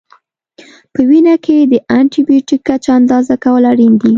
په وینه کې د انټي بیوټیک کچه اندازه کول اړین دي.